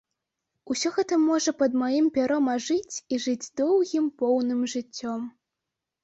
Усё гэта можа пад маім пяром ажыць і жыць доўгім, поўным жыццём.